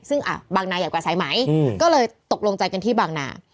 ซึ่งบางนาใหญ่กว่าสายไหมก็เลยตกลงใจกันที่บางนา